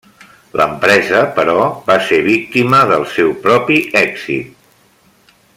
L'empresa, però, va ser víctima del seu propi èxit.